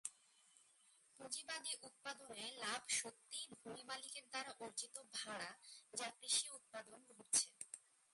পুঁজিবাদী উৎপাদনে লাভ সত্যিই ভূমি মালিকের দ্বারা অর্জিত "ভাড়া" যা কৃষি উৎপাদন ঘটছে।